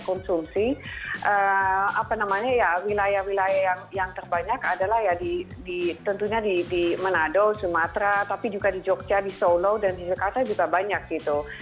konsumsi apa namanya ya wilayah wilayah yang terbanyak adalah ya tentunya di manado sumatera tapi juga di jogja di solo dan di jakarta juga banyak gitu